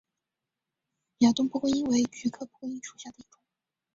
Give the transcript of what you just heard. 亚东蒲公英为菊科蒲公英属下的一个种。